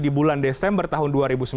di bulan desember tahun dua ribu sembilan belas